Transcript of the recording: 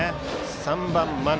３番、真鍋。